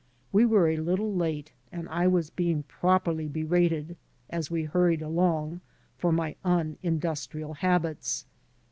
We were a little late, and I was being properly berated* as we hurried along, for my unindustrial habits.